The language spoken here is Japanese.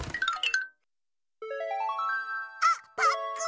あっパックン！